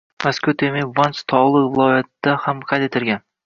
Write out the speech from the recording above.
Mazkur termin Vanch tog‘li viloyatida ham qayd etilgan: